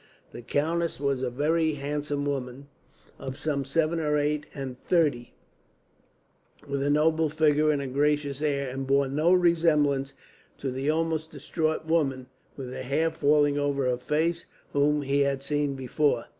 The countess was a very handsome woman, of some seven or eight and thirty, with a noble figure and a gracious air; and bore no resemblance to the almost distraught woman, with her hair falling over her face, whom he had seen before.